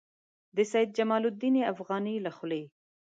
د سید جمال الدین افغاني له خولې.